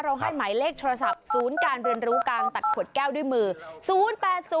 เราให้ไหมเลขโทรศัพท์๐การเรียนรู้กังตัดขวดแก้วด้วยมือ๐๘๐๗๒๘๙๑๘๐ค่ะ